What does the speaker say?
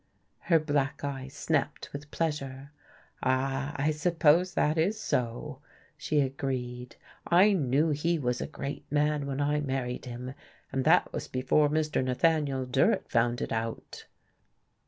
Her black eyes snapped with pleasure. "Ah, I suppose that is so," she agreed. "I knew he was a great man when I married him, and that was before Mr. Nathaniel Durrett found it out."